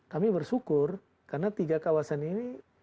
kami bersyukur karena tiga kawasan ini